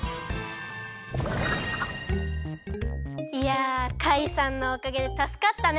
いやカイさんのおかげでたすかったね。